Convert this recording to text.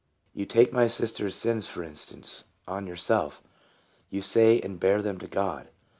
You take my sister's sins, for instance, on yourself, you say, and bear them to God."